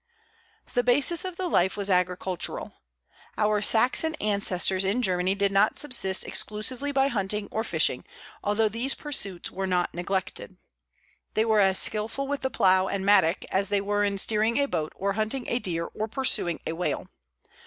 The basis of the life was agricultural. Our Saxon ancestors in Germany did not subsist exclusively by hunting or fishing, although these pursuits were not neglected. They were as skilful with the plough and mattock as they were in steering a boat or hunting a deer or pursuing a whale.